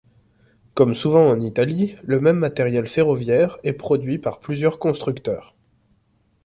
Comme souvent en Italie, le même matériel ferroviaire est produit par plusieurs constructeurs.